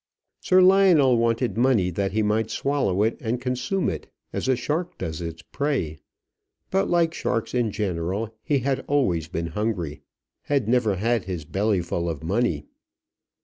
Sir Lionel wanted money that he might swallow it and consume it, as a shark does its prey; but, like sharks in general, he had always been hungry, had never had his bellyful of money.